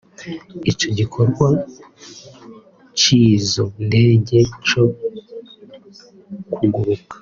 Ico gikorwa c’izo ndege co kuguruka